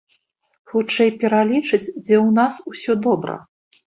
Хутчэй пералічыць, дзе ў нас усё добра.